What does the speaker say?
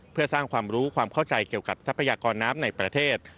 เพื่อสร้างความรู้ความเข้าใจเกี่ยวกับทรัพยากรน้ำในประเทศ